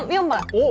おっ！